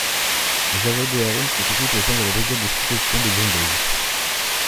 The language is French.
Javed et Arun font équipe au sein de la brigade des stupéfiants de Bombay.